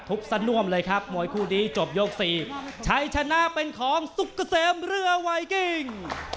สน่วมเลยครับมวยคู่นี้จบยก๔ชัยชนะเป็นของสุกเกษมเรือไวกิ้ง